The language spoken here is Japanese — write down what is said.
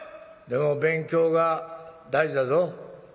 「でも勉強が大事だぞ」。